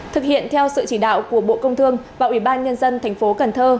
thực hiện theo sự chỉ đạo của bộ công thương và ủy ban nhân dân tp cnh